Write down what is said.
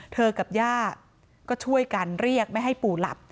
กับย่าก็ช่วยกันเรียกไม่ให้ปู่หลับ